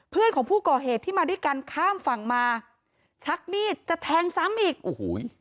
เพื่อนของผู้ก่อเหตุที่มาด้วยกันข้ามฝั่งมาชักมีดจะแทงซ้ำอีกโอ้โห